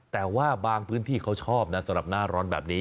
แต่ว่าบางพื้นที่เขาชอบนะสำหรับหน้าร้อนแบบนี้